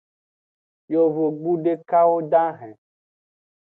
Yovogbu dekwo dahen.